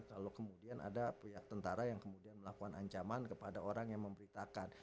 kalau kemudian ada pihak tentara yang kemudian melakukan ancaman kepada orang yang memberitakan